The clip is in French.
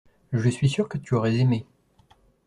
Je suis sûr que tu aurais aimé.